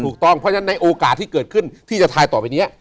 ถูกต้องเพราะฉะนั้นในโอกาสที่เกิดขึ้นที่จะทายต่อไปนี้